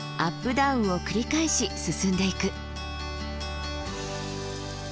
ダウンを繰り返し進んでいく。